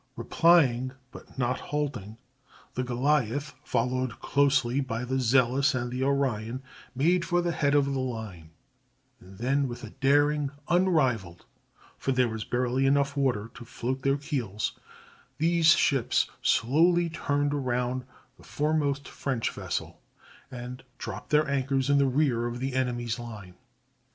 Replying, but not halting, the Goliath, followed closely by the Zealous and Orion, made for the head of the line, and then with a daring unrivaled, for there was barely enough water to float their keels, these ships slowly turned around the foremost French vessel and dropped their anchors in the rear of the enemy's line.